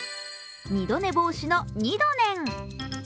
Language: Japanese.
二度寝防止のニドネン。